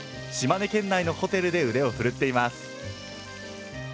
島根県内のホテルで腕を振るっています。